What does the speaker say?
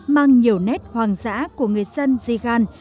mang nhiều nét hoang dã của người dân zigan